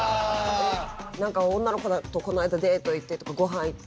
なんか女の子らとこの間デート行ってとかご飯行って。